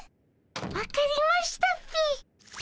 分かりましたっピィ。